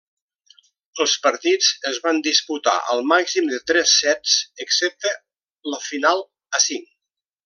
Els partits es van disputar al màxim de tres sets excepte la final a cinc.